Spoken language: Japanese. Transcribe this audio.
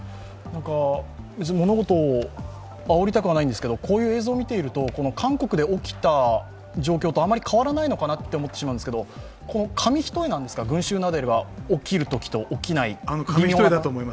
物事をあおりたくはないんですけど、こういう映像を見ると韓国で起きた状況とあまり変わらないのかなと思ってしまうんですけど紙一重なんですか、群集雪崩が起きるときと、起きないとき。